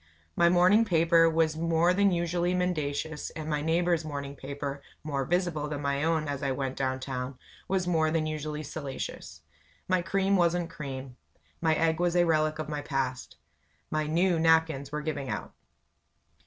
My morning paper was more than usually mendacious; and my neighbor's morning paper more visible than my own as I went down town was more than usually salacious. My cream wasn't cream my egg was a relic of the past. My "new" napkins were giving out.